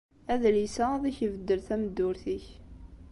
Adlis-a ad ak-ibeddel tameddurt-ik.